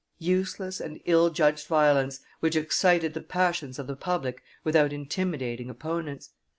Useless and ill judged violence, which excited the passions of the public without intimidating opponents!